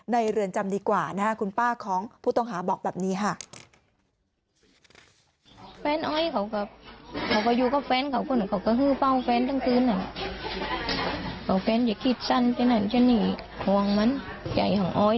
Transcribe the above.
ในเรือนจำดีกว่าคุณป้าของผู้ต้องหาบอกแบบนี้